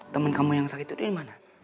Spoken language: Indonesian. temen kamu yang sakit itu dimana